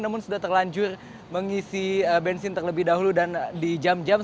namun sudah terlanjur mengisi bensin terlebih dahulu dan di jam jam